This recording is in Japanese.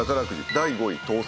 第５位当選。